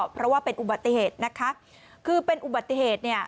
เพราะว่าเป็นอุบัติเหตุนะคะคือเป็นอุบัติเหตุเนี่ย